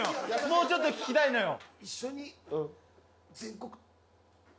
もうちょっと聞きたいのよ。